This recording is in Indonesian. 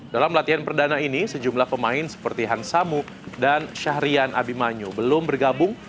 dalam latihan perdana ini sejumlah pemain seperti han samuk dan syahrian abimanyu belum bergabung